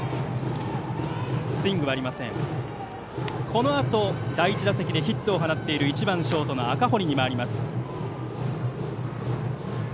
このあと第１打席でヒットを放っている１番ショートの赤堀に回ります。